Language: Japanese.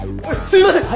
すいません！